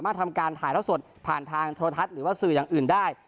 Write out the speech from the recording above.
ถ่ายรถสดผ่านทางโทดรธัศน์หรือว่าสื่ออย่างอื่นได้